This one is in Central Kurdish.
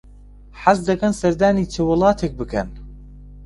حەز دەکەن سەردانی چ وڵاتێک بکەن؟